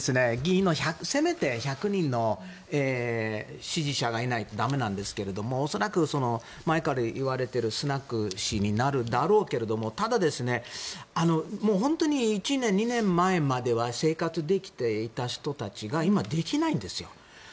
せめて１００人の支持者がいないと駄目なんですが恐らく前から言われているスナク氏になるだろうけどただ、本当に１年、２年前までは生活できた人たちが今できないんです。